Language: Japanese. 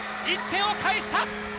１点を返した！